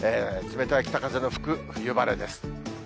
冷たい北風の吹く冬晴れです。